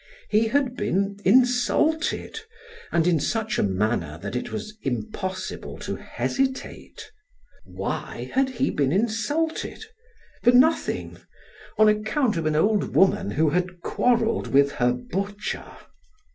He had been insulted and in such a manner that it was impossible to hesitate. Why had he been insulted? For nothing! On account of an old woman who had quarreled with her butcher.